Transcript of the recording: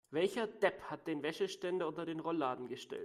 Welcher Depp hat den Wäscheständer unter den Rollladen gestellt?